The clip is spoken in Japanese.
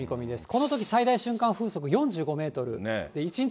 このとき最大瞬間風速４５メートル。